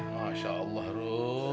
masya allah rum